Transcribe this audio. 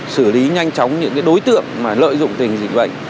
xử lý nhanh chóng những đối tượng lợi dụng tình hình dịch bệnh